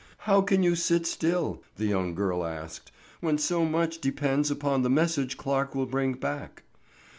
"How can you sit still," the young girl asked, "when so much depends upon the message Clarke will bring back?"